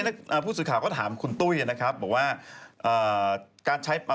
แต่อันนี้ผู้สูศึกฐานก็ถามคุณตุ้ยนะครับบอกว่า